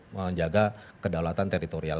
menjaga kedaulatan teritorial